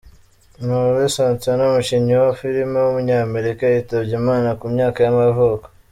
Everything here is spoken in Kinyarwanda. Merlin Santana, umukinnyi wa filime w’umunyamerika yitabye Imana ku myaka y’amavuko.